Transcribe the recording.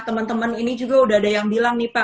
teman teman ini juga udah ada yang bilang nih pak